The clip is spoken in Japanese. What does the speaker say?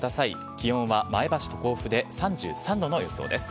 気温は前橋と甲府で３３度の予想です。